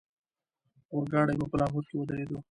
اورګاډی به په لاهور کې ودرېدو.